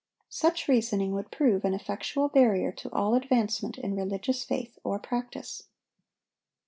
Such reasoning would prove an effectual barrier to all advancement in religious faith or practice.